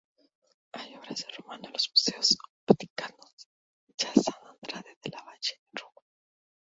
Hay obras de Romano en los Museos Vaticanos ya Sant'Andrea della Valle, en Roma.